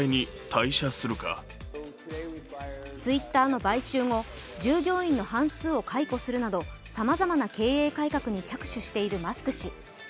Ｔｗｉｔｔｅｒの買収後、従業員の半数を解雇するなど、さまざまな経営改革に着手しているマスク氏。